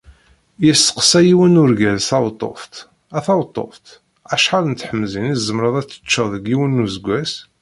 Yesteqsa yiwen urgaz taweṭṭuft: “A taweṭṭuft, acḥal n tḥemẓin i tzemreḍ ad teččeḍ deg yiwen n usuggas?